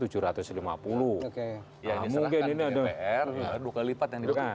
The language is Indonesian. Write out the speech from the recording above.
ya ini serahkan ini pr dua kali lipat